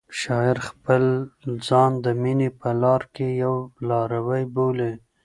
شاعر خپل ځان د مینې په لاره کې یو لاروی بولي.